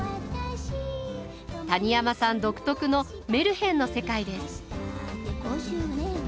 谷山さん独特のメルヘンの世界です。